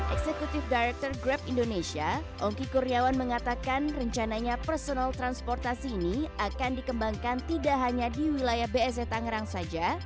eksekutif director grab indonesia ongki kuryawan mengatakan rencananya personal transportasi ini akan dikembangkan tidak hanya di wilayah bse tangerang saja